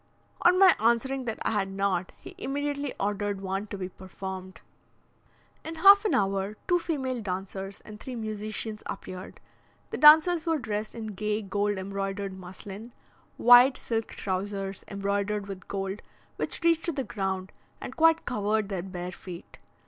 On my answering that I had not, he immediately ordered one to be performed. In half an hour two female dancers and three musicians appeared. The dancers were dressed in gay gold embroidered muslin, wide silk trousers, embroidered with gold, which reached to the ground, and quite covered their bare feet.